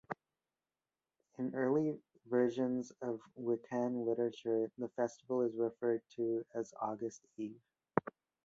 In early versions of Wiccan literature the festival is referred to as "August Eve".